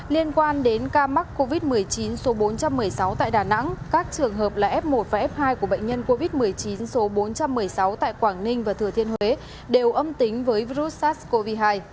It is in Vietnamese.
liên quan đến ca mắc covid một mươi chín số bốn trăm một mươi sáu tại đà nẵng các trường hợp là f một và f hai của bệnh nhân covid một mươi chín số bốn trăm một mươi sáu tại quảng ninh và thừa thiên huế đều âm tính với virus sars cov hai